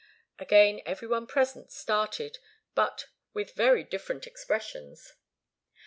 Again every one present started, but with very different expressions.